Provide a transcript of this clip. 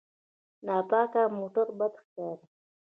ناپاک موټر بد ښکاري.